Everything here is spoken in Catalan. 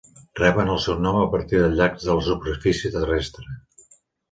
Reben el seu nom a partir de llacs de la superfície terrestre.